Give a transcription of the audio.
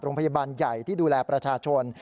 โรงพยาบาลใหญ่ที่ดูแลประชาชน